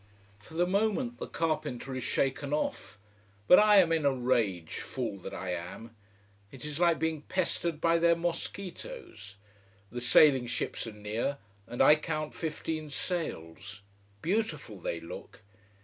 For the moment the carpenter is shaken off. But I am in a rage, fool that I am. It is like being pestered by their mosquitoes. The sailing ships are near and I count fifteen sails. Beautiful they look!